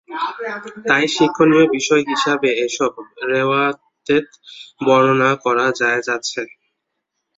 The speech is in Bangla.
তাই শিক্ষণীয় বিষয় হিসাবে এসব রেওয়ায়েত বর্ণনা করা জায়েয আছে।